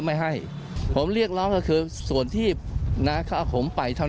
ไม่ให้ผมเรียกร้องก็คือส่วนที่นะเขาเอาผมไปเท่านั้น